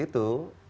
di saat itu